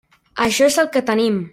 Això és el que tenim.